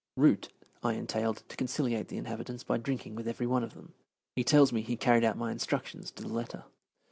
Root I detailed to conciliate the inhabitants by drinking with every one of them. He tells me he carried out my instructions to the letter.